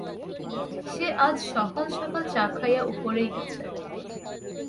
সে আজ সকাল-সকাল চা খাইয়া উপরেই গেছে।